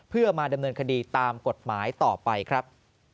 เพื่อมาดำเนินคดีตามกฎหมายต่อไปครับ